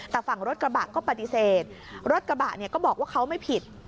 แต่ฝั่งรถกระบะก็ปฏิเสธรถกระบะเนี่ยก็บอกว่าเขาไม่ผิด